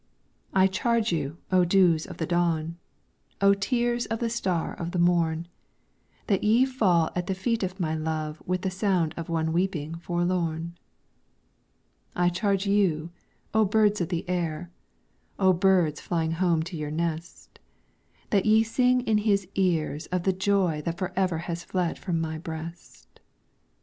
I charge you, O dews of the Dawn, O tears of the star of the morn, That ye fall at the feet of my Love with the sound of one weeping forlorn. I charge you, O birds of the Air, O birds flying home to your nest, That ye sing in his ears of the joy that for ever has fled from my breast.